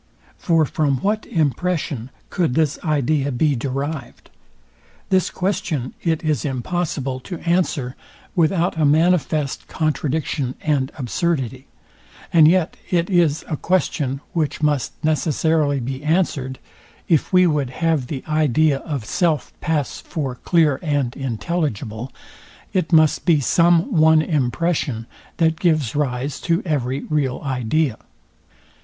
For from what impression could this idea be derived? This question it is impossible to answer without a manifest contradiction and absurdity; and yet it is a question, which must necessarily be answered, if we would have the idea of self pass for clear and intelligible, It must be some one impression, that gives rise to every real idea.